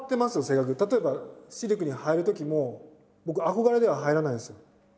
例えばシルクに入るときも僕憧れでは入らないんですよ。